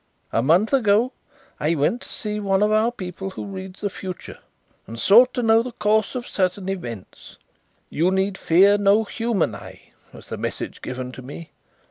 A month ago I went to see one of our people who reads the future and sought to know the course of certain events. 'You need fear no human eye,' was the message given to me.